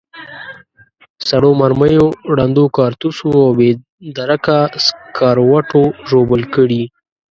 سړو مرمیو، ړندو کارتوسو او بې درکه سکروټو ژوبل کړي.